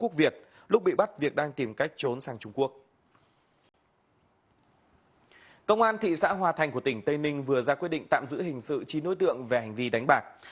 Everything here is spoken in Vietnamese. công an thị xã hòa thành của tỉnh tây ninh vừa ra quyết định tạm giữ hình sự chín nối tượng về hành vi đánh bạc